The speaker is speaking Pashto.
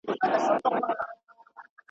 پر موسم د ارغوان به مي سفر وي ..